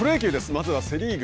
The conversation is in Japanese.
まずはセ・リーグ。